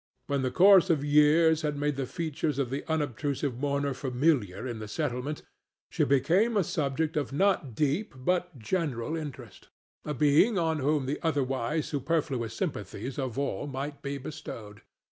When the course of years had made the features of the unobtrusive mourner familiar in the settlement, she became a subject of not deep but general interest—a being on whom the otherwise superfluous sympathies of all might be bestowed.